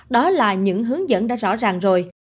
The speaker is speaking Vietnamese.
đó là những hướng dẫn đã rõ ràng rồi